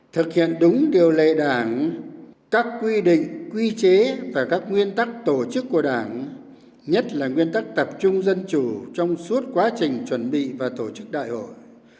thực hiện đúng điều lệ đảng các quy định quy chế và các nguyên tắc tổ chức của đảng nhất là nguyên tắc tập trung dân chủ trong suốt quá trình chuẩn bị và tổ chức đại hội